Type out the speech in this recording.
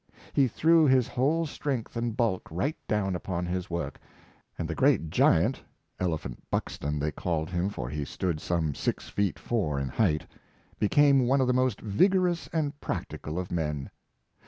He threw his whole strength and bulk right down upon his work; and the great giant —^' Elephant Buxton " they called him, for he stood some six feet four in height — became one of the most vigorous and practical of men.